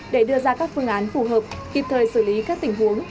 để đưa ra các phương án phù hợp kịp thời xử lý các tình huống